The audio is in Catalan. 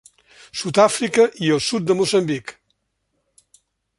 Sud-àfrica i el sud de Moçambic.